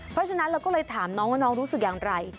เพราะฉะนั้นเราก็เลยถามน้องว่าน้องรู้สึกอย่างไร